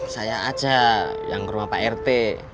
saya aja yang rumah pak rt